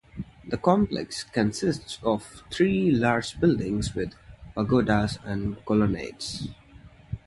The complex consists of three large buildings with pagodas and colonnades.